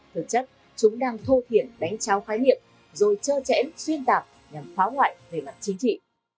thực chất chúng đang thô thiện đánh trao khái niệm rồi chơ chẽn xuyên tạc nhằm phá hoại về mặt chính trị